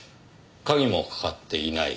鍵もかかっていない。